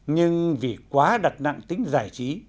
nhưng vì quá đặc nặng tính giải trí